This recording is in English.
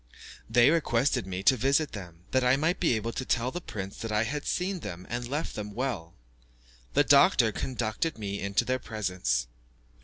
They requested me to visit them, that I might be able to tell the prince that I had seen them and left them well. The doctor conducted me into their presence.